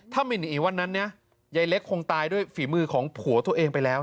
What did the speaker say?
ถ้าไม่หนีวันนั้นเนี่ยยายเล็กคงตายด้วยฝีมือของผัวตัวเองไปแล้ว